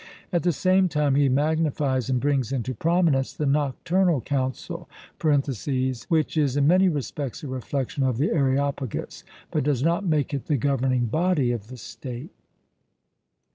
At the same time he magnifies and brings into prominence the Nocturnal Council (which is in many respects a reflection of the Areopagus), but does not make it the governing body of the state.